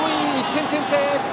１点先制！